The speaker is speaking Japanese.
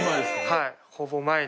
はい。